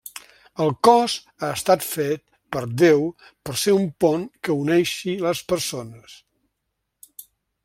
El cos ha estat fet per Déu per ser un pont que uneixi les persones.